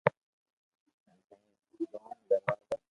ھین ھینگ گوم دروازا